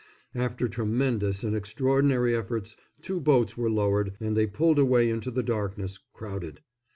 After tremendous and extraordinary efforts two boats were lowered and they pulled away into the darkness, crowded.